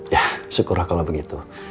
ya syukurlah kalau begitu